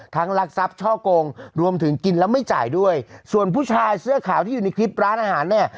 รักทรัพย์ช่อกงรวมถึงกินแล้วไม่จ่ายด้วยส่วนผู้ชายเสื้อขาวที่อยู่ในคลิปร้านอาหารเนี่ย